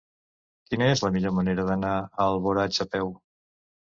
Quina és la millor manera d'anar a Alboraig a peu?